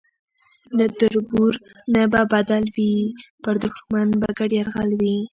نه تربور نه به بدل وي پر دښمن به ګډ یرغل وي